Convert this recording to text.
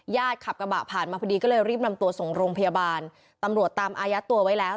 ขับกระบะผ่านมาพอดีก็เลยรีบนำตัวส่งโรงพยาบาลตำรวจตามอายัดตัวไว้แล้ว